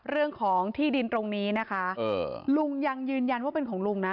เรื่องของที่ดินตรงนี้นะคะลุงยังยืนยันว่าเป็นของลุงนะ